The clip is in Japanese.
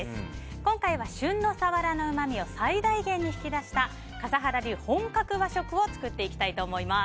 今回は旬のサワラのうまみを最大限に引き出した笠原流本格和食を作っていきたいと思います。